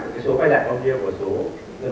của địa phương mà chưa thể tiêu được